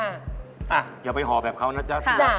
อ้าวเดี๋ยวไปหอแบบเขาน่ะค่ะ